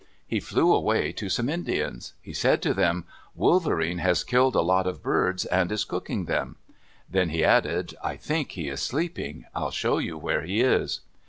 He flew away to some Indians. He said to them, "Wolverene has killed a lot of birds and is cooking them." Then he added, "I think he is sleeping. I'll show you where he is."